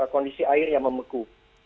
kondisi airnya membeku